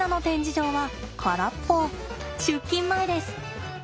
出勤前です。